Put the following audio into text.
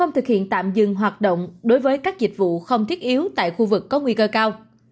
thực hiện tạm dừng hoạt động đối với các dịch vụ không thiết yếu tại khu vực có nguy cơ cao